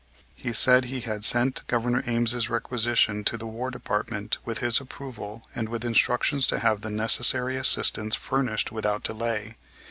He said he had sent Governor Ames' requisition to the War Department with his approval and with instructions to have the necessary assistance furnished without delay.